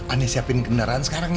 aneh siapin kendaraan sekarang ya